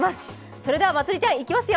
それではまつりちゃん、いきますよ。